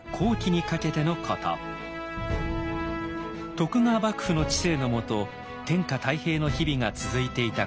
徳川幕府の治世の下天下太平の日々が続いていた頃。